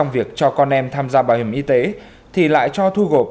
việc cho con em tham gia bảo hiểm y tế thì lại cho thu gộp